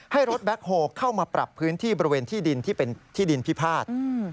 ให้รถแบ็คโฮลเข้ามาปรับพื้นที่บริเวณที่ดินที่เป็นที่ดินพิพาท